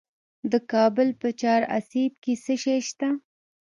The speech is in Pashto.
د کابل په چهار اسیاب کې څه شی شته؟